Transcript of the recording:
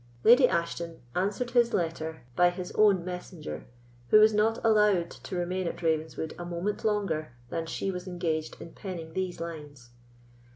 Lady Ashton answered his letter by his own messenger, who was not allowed to remain at Ravenswood a moment longer than she was engaged in penning these lines.